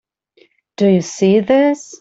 Do you see this?